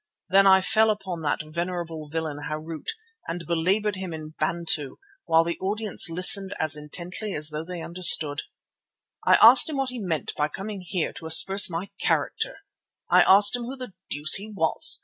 Then I fell upon that venerable villain Harût, and belaboured him in Bantu, while the audience listened as intently as though they understood. I asked him what he meant by coming here to asperse my character. I asked him who the deuce he was.